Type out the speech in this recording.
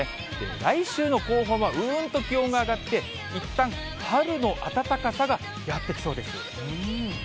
来週の後半はぐーんと気温が上がって、いったん春の暖かさがやっ